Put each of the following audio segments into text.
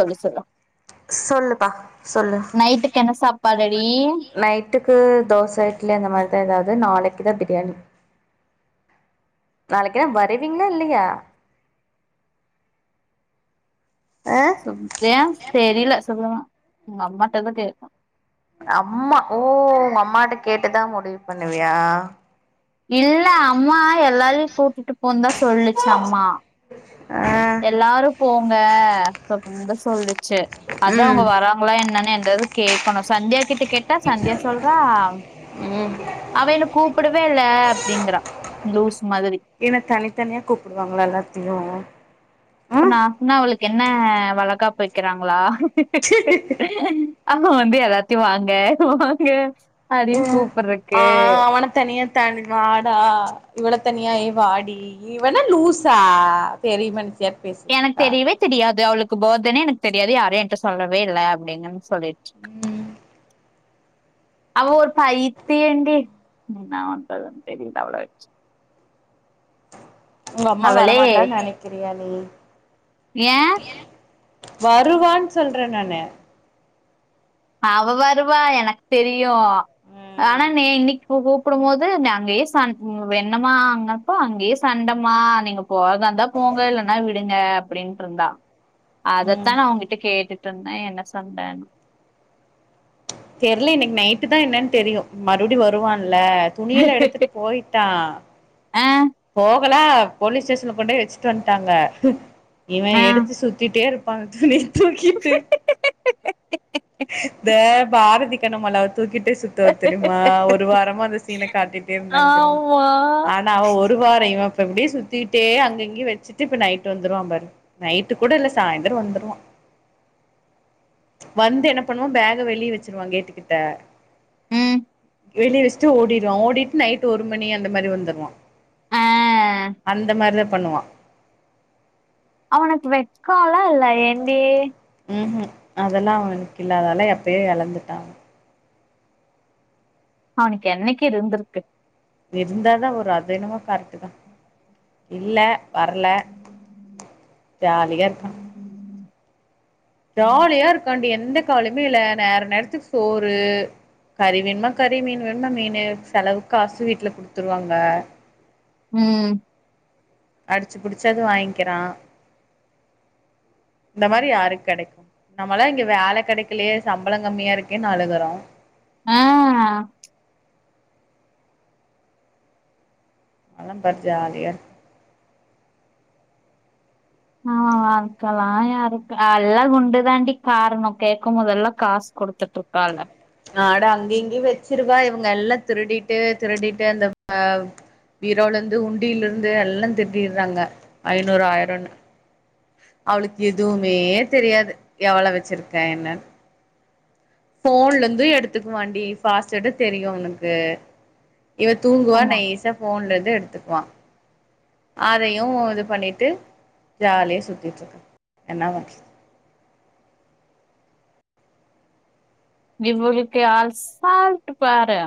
சொல்லு சொல்லு சொல்லுப்பா சொல்லு நைட்டுக்கு என்ன சாப்பாடுடி நைட்டுக்கு தோச இட்லி அந்த மாரி ஏதாவது நாளைக்குதா பிரியாணி நாளைக்கு தா வருவீங்களா இல்லையா ஆ சுப்பறன் தெரில சுப்பமா அம்மாட்டதா கேகும் அம்மா ஓ உங்க அம்மாட்ட கேட்டுதா முடிவு பண்ணுவியா இல்ல அம்மா எல்லாரையு கூட்டிட்டு போந்தா சொல்லுச்சு அம்மா ஆ எல்லாரு போ ங்க அப்டிதா சொல்லுச்சு சேர் அதா அவங்க ம் வராங்களா என்னன்னு து கேக்கணு சந்தியா கிட்ட கேட்டா சந்தியா சொல்றா ம் அவ என்ன கூப்டவே இல்ல அப்படிங்கறா லுஸ் மாதிரி என்ன தனித்தனியா கூப்பிடுவாங்களா எல்லாத்தையு இப்ப ம் நாசொன்னா அவளுக்கு என்ன வளகாப்பு வக்கறாங்களா உம் ஆம வந்து எல்லாத்தையு வாங்க வாங்க அப்டின்னு ம் ஆ கூப்புட்றக்கு அவனை தனியா தானி வாடா இவள தனியா ஏ பாடி இவெண்ண லூஸா பெரியம எனக் தெரியவே தெரியாது அவளுக் கு பார்த்டேனு எனக்கு தெரியாது யாரு எனிட்ட சொல்லவே இல்ல அப்டின்ன சொல்லிட்ருக் ம் அவ ஒரு பைத்தியண்டி என்னா பண்றது தெரியல அவள வச்சு உங்க அம்மா வரமாட்டானு நெனைக்கிறியா ம் ஏ வருவான் சொல்ற நானு அவ வருவா எனக்கு தெரியு ஆனா ம் நீ இன்னைக்கு கூப்புடு போது அங்கேயே ச வென்னமா அங்கேயே சண்டைமா நீங்க போரதாருதந்தா போங்க இல்லனா விடுங்க அப்டின்னு இருந்தா ம் அதத்தா நா அவுங்கிட்ட கேட்டு ட்ருஇந்தே என்ன சண்டனு தெரில்லே இன்னைக்கு நைட்டு தா என்னன்னு தெரியு மறுபடி வருவான்னு ல்ல துணிலா எடுத்துட்டு போயிட்டா ஆ, போகல போலீஸ் ஸ்டேஷன்ல கொண்டே வச்சுட்டு வன்ட்டாங்க இவ ஆ. எடுத்து சுத்திட்டே பார்கணி தூக்கிட்டு த பாரதி கேட்ட மாட்டாரு தூக்கிட்டே சுத்துவா தெரிமா ஒரு வாரமா அந்த சீன காட்டிட்டே இருந்தாங்க தெரிமா ஆமா ஆனா அவ ஒர் இவ ப்படியே சுத்திட்டே அங்க இங்க வச்சுட்டு இப்ப நைட்டு வந்துருவா பாரு நைட்டு கூட இல்ல சாய்ந்தர வந்துருவா வந்து என்ன பண்ணுவ பேக வெளியே வச்சிருவா கேட்டுகிட்ட ம் வெளியே வச்சிட்டு ஓடிருவா ஓடிட்டு நைட் ஒரு மணி அந்த மாரி வந்துருவா ஆ அந்த மாரித பண்ணுவா அவனுக் வெக் கால்லா இல்ல ஏண்டி ம் ஹும் அதெல்லா அவனுக் இல்லதாலா எப்பயே எழந்துட்டா அவனுக் என்னிக்கு இருந்துருக்கு இருந்தாதா ஒரு அது. என்னமோ கர் டுதா இல்ல வரல்ல ஜாலியா இருக்கா ஜாலியா இருக்காண்டி எந்த க்காலயுமே இல்ல நேர நேரத்துக்கு சோறு கறி வேண்மா கறி மீன் வேண்ன மீனு செலவுக் காசு வீட்ல குடுத்துருவாங்க. ம் அடிச்சு புடிச்சாது வாங்கிறா இந்த மாரி யாருக் கிடைக் நம்பாளா இங்க வேல கிடைக்கலயே சம்பள கம்மியா இருக்கே அழுகுறோம் ம் அவ லா பார் ஜாலியா இருக் ஆ அதுகள்ள யாருக் அல்லா குண்டு தாண்டி காரணும் கேட்கு போதல்லா காஸ் குடுத்துட்டு இருக்காலுங்க அட அங்க இங்கயும் வச்சிருவா இவுங்க எல்லா திருடிட்டு திருடிட்டு அந்த. ப் ஆ பீரோலந்து உண்டில்லருந்து எல்லா திருடிறாங்க ஐநூறு ஆயிரன்னு அவளுக் எதுவுமே தெரியாது எவ்வள வச்சிருக்கேன்னு ஃபோன்ல ந்து எடுத்துக்குவாண்டி பாஸ்வேடு தெரியும் அவனுக்கு இவ தூங்குவா ஆமா நைசா ஃபோன்லாந் எடுத்துக்குவா அதயு இது பண்ணிட்டு ஜாலிய சுத்திட்டு இருக்கா என்ன பண்றது இவுள்க்கே ஆள்ஸ் பால்ட்டு பாரு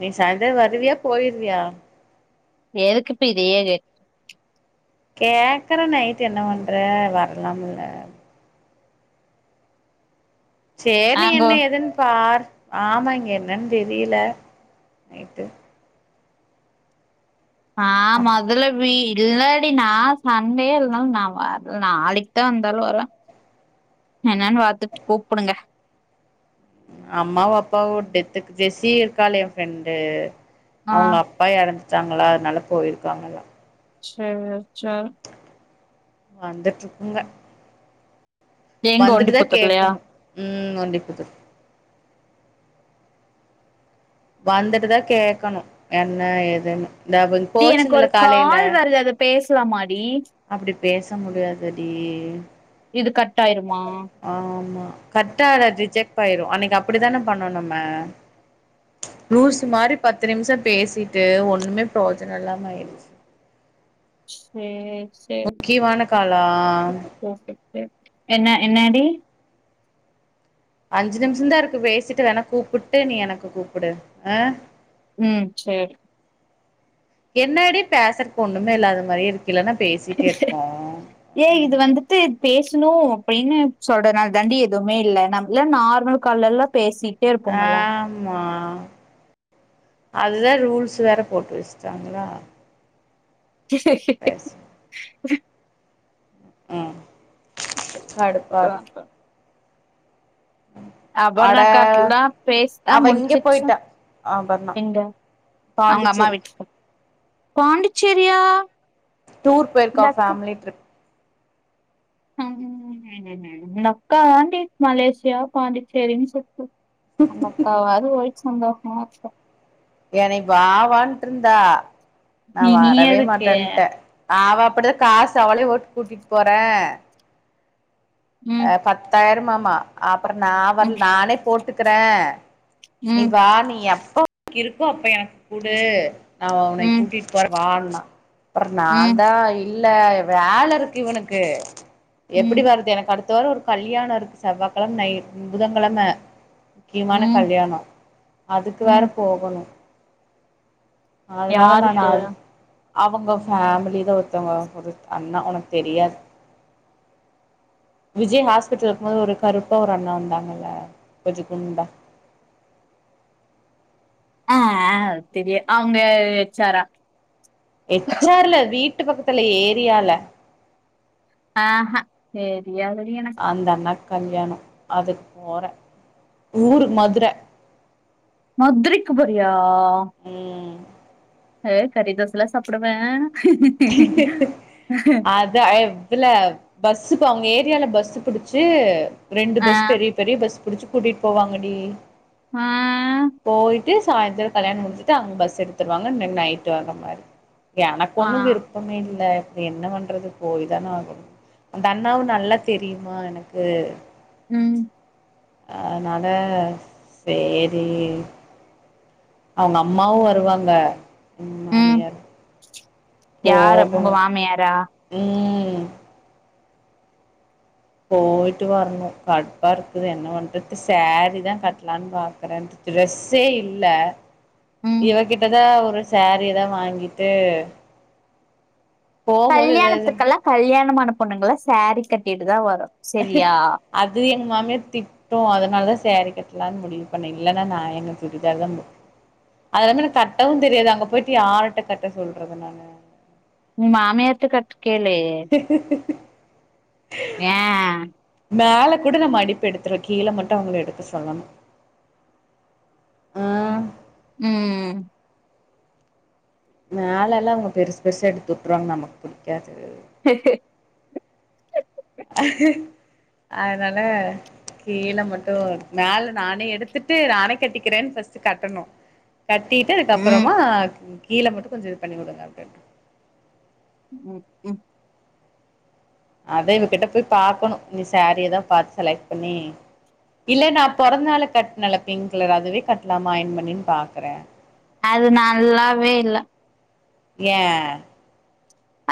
நீ சாயந்தர வருவியா போய்ருவியா எதுக்குப்ப இதயே ரெட் கேக்கற நைட்டு என்ன பண்ற வரலாம்ல சேரி நாங்கோ என்ன எதுன் பார் ஆமா இங்க என்னன் தெரியல நைட்டு ஆ முதலவி இல்லாடி நா சண்டே இல்னாலு நா வர்ல நாளைக்க வந்தாலு வருவ என்னன் பாத்துட்டு கூப்புடுங்க அம்மாவு அப்பாவு டெத்துக்கு பேசி இருக்கலே என் ஃப்ரெண்டு ஆ அவுங்க அப்பா எறந் சாங்களா அதனால போய்ருக்காங்கல்ல சேரி ச்சல் வந்துட்ருக்குங்க எங்க வந்துட்டு தா ஒண்டிப்புத்தூர்லயா கேக்கணும் ம் ஒண்டிப்புத்தூர் வந்துட்டு தா கேக்கணும் என்ன ஏதுன்னு இந்த அவங் டி போச்சுங்கல்ல எனக்கொரு காலைல கால் வர்து அத பேஸ் க்லாமா அட் அப்டி பேச முடியாதடி இது கட் ஆயிருமா ஆமா கத்ததா ஜிஜெக்ட் ஆய்ரும் அன்னிக்கு அப்டித்தானே பண்ணோம் நம்ப லூசு மாரி பத்து நிம்ஷம் பேசிட்டு ஒன்னுமே ப்ரோஜன இல்லாம ஆய்ருச்சு. சே முக்கியமான காலா என்ன என்னடி அஞ்சு நிமிஷம் தா இருக்கு பேசிட்டு வேணா கூப்புட்டு நீ எனக்கு கூப்புடு அ ம் சேரி என்னடி பேஸ்றதுக்கு ஒன்னுமே இல்லாத மாரி இல்லன்னா பேசிட்டே இருப்போ ஏ இது வந்துட்டு பேசணு அப்டின்னு சொல்றனால தாண்டி எதுமே இல்ல நம் இல்ல நார்மல் கால்லலா பேசி ஆமா அதுதா ரூல்ஸ் வேற போட்டு வச்சுடாங்களா [unintelligible] ம் கடுப்பா இருக்கு [unintelligible] அபர்ணா அட காட்டுல்லா பேஸ்தா அவ இங்க முடிச்சுச்ச போயிட்டா அபர்ணா எங்க அவுங்க அம்மா பாண்டிச்சேரி வீட்ல பாண்டிச்சேரியா டூர் போயிருக்கா இந்த அக்கா ஃபேமிலி ட்ரிப் ம் லக்காண்டி மலேசியா பாண்டிச்சேரினு சுத்து அவங்க அக்காவது ஒய் சந்தோஷம் என்னைய வா வான்னுட்டு இருந்தா நா நீ நீ வரவே எதுக்கு மாட்டேன்ட்ட அவ அப்டி தா காசு அவள ஓட்டு கூட்டிட்டு போறேன் ம் ஆ பத்தாயிரம்மாம் மா அப் அப்றோ நா வர் ம் நானே போட்டுக்கிறே நீ ம் வா நீ எப் போ இருக்கோ அப்ப எனக்கு கூடு நா உன்ன ம் கூட்டிட்டு போறே வானா ஆ [inaudible] அப்றோ நா ம் தா ல் இல்ல வேலை இருக்கு இவனுக்கு எப்டி ம் வருது எனக்கு அடுத் து ஒரு கல்யாண இருக்கு செவ்வக்கிழமை நைட் புதன்கிழமை முக்கியமான ம் கல்யாணம் அதுக்கு வேற ம் போகணும் அதனால நா யாருக்கு நலு அவங்க ஃபேமிலில ஒருத்தவங்க ஒரு அண்ணா உனக்கு தெரியாது விஜய் ஹாஸ்பிட்டல இருக்கும் போது ஒரு கருப்பா ஒரு அண்ணா வந்தாங்கல்ல கொஞ்ச குண்டா ஆஅ தெரிய அவங்க ச்சாரா எச்சார்ல வீட் ட்டு பக்கத்துல ஏரியால ஆஹ சேர் தெரியாதுடி எனக் கல்யாண அதுக்கு போற ஊரு மதுர மத்துரைக்கு போறியா ம் அ கரிதோசலா சாப்புடுவே அத எவ்ள பஸ்ஸுக்கு அவங்க ஏத் ரியால பஸ் புடிச்சு ரெண்டு ஆ பஸ் பெரிய பெரிய பஸ் புடிச்சு கூட்டிட் போவாங்கடி ஆ ட்டி சாந்தர கல்யாண முடிச்சுட்டு அவங்க பஸ் எடுத்துவாங்க தென் நைட் வர மாரி ஏ ஆ கொண்ணு விருப்பமேல்ல அது என்ன பண்றது போய்தான ஆகணு அந்த அண்ணாவு நல்லா தெரியுமா எனக்கு ம் அதனால சேரி அவங்கம்மாவு வருவாங்க ம் மாமியார் யார போகணு உங்கமாமியாரா ம் போயிட்டு வரணு கடுப்பா இருக்குது என்ன பண்றது சேரீதா கட்லானு பாக்கறே ட்ரெஸ்ஸே இல்ல ம் இவகிட்டதா ஒரு சேரீயதா வாங்கிட்டு போம்போது எதாது கல்யாணத்துக்கல்லா கல்யாண மான பொண்ணுங்கள சேரீ கட்டிட்டு தா வரு சரியா அது எங் மாமிய திட்டு அதனால சேரி கட்லானு முடிவு பண்ணே இல்லன்னா நா எங்க சுடிதா தா முடி அது இல்லாம கட்டவு தெரியாது அங்க போயிட்டு யாருட்ட கட்ட சொல்றது நானு உ மாமியார்ட்ட கட் வே மேல கூட ந மடிப்பு எடுத்துருவ கீழே மட்டு அவங்கள எடுக்க சொல்லா ஆ ம் மேலலா அவங்க பெருசுபெருசா எடுத்து உட்ருவாங்க நமக்கு புடிக்காது அதனால கீழ மட்டு மேல நானே எடுத்துட்டு நானே கட்டிக்கிறேன்னு ஃப்ஸ்ட் கட்டணு கட்டிட்டு ம் அதுக்கப்புறமா கீழ மட்டு கொஞ்ச இத பண்ணி வுடுங்க அப்டின்டு ஓ ம் அதா இவகிட்ட போய் பாக்கணு இனி சாரியதா பாத்து செலக்ட் பண்ணி இல்ல நா பொறந்த நாளுக் கட்னல்ல பிங்க் கலர் அதுவே கட்லாமா அயின் பண்ணின் பாக்குறே அது நல்லாவேயில்ல ஏ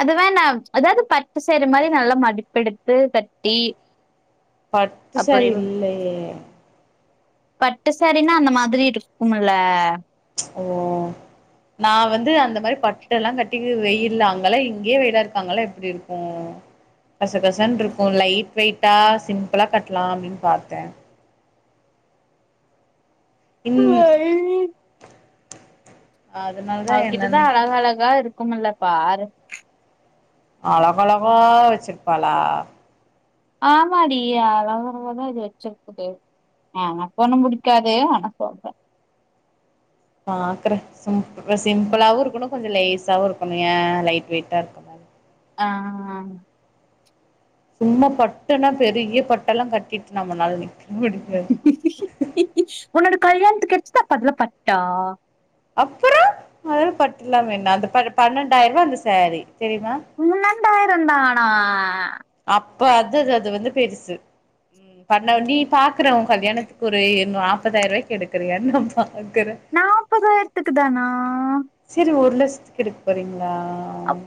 அதுவேணா அதாவ்து பட்டு சேரி மாரி நல்லா மடிப்பெடுத்து கட்டி பட்டு சாரி இல்லயே பட்டுசாரின்னா அந்த மாதிரி இருக்குமல்ல ஓ நா வந்து அந்த மாரி பட்டல்லா கட்டி வெயில்ல அங்கல்லா இங்கயே வெயிலா இருக்கு அங்கல்லா எப்டி இருக்கு கசகசன்ருக்கு லைட் வெயிட்டா சிம்பிளா கட்லா அப்டின் பாத்தே இன் ஹ அதனாலதா அவகிட்டதா என்னன்னு அழகழகா இருக் குமல்ல பாரு அழகழகா வச்சிருப்பாலா ஆமாடி அழகழகா இது வச்சிருக்குது எனக்கொன்னும் புடிக்காது ஆனா சொல்றே பாக்றே சிம் சிம்பிளாவு இருக்கணு கொஞ்ச லேசாவு இருக்கணு ஏ லைட் வெயிட்டா இருக்க மாரி ஆ சும்மா பட்டுனா பெரிய பட்டெல்லா கட்டிட்டு நம்மனால் நிக் உன்னொட கல்யாணத்துக் கெடச்சுதா அப்ப அதல்லா பட்டா அப்புறொ அதுல்ல பட்டுல்லாம என்ன அந்த பர் பன்னெண்டாயருவா அந்த சேரீ பன்னெண்டாய ரந்தானா அப்ப அதுது அது வந்து பெருசு ம் பண்ண நீ பாக்குற ஒ கல்யாணத்துக்கு ஒரு எ நாப்பதாயருவாய்க்கு எடுக்குறியான் நா பா நாப்பதாயரத்துக்கு தானா சத்துக் எடுக்க போறீங்ளா அப்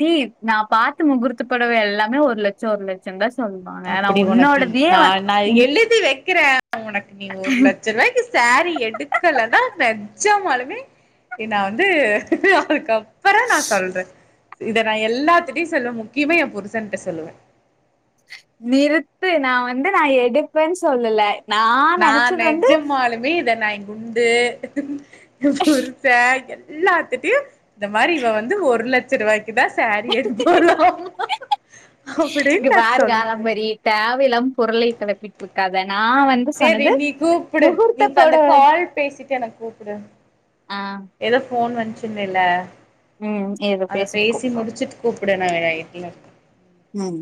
டீ நா பாத்த முகூர்த்தப்பொடவ எல்லாமே ஒரு லச்ச ஒரு லச்சந்தா அப்பிடி ஒனக்கி நா நா உன் எழுதி வக்கிறே ஒனக்கு நீ ஒரு லச்ச ருவாய்க்கு சேரீ எடுக்கலன்னா ந ஜமாலுமே எ நா வந்து அதுக்கப் பற நா சொல்றெ இத நா எல்லாத்துட்டயு சொல்வெ முக்கியமா எ புருஷன்ட்ட சொல்லுவெ நிறுத்து நா வந்து நா எடுப்பேன் சொல்லல நா நெனச்சது வந்து நெஜம்மாலுமோ இத நா குண்டு ஏ புருச எ ல்லாத்துட்டுடயு இந்த மாரி இவ வந்து ஒரு லச்ச ருவாய் க்குதா சாரி எடுப்பாலாமா இங்க அப்பிடின் நா பாரு சொல்லுவே காலம்பரி காத சேரி நீ கூப்புடு நீ அந்த புடவ கால் பேசிட்டு எனக்கு கூப்புடு ஆ ஏதோ போன் வந் து சொன்னல்ல ம் ஏதோ அத பேசிட்டு பேசி கூப்டு முடிச்சிட்டு கூப்புடு நா இதுல ம்